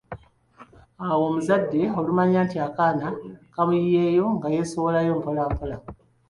Awo omuzadde olumanya nti akaana kamuyiyeeyo nga yeesowolayo mpola mpola.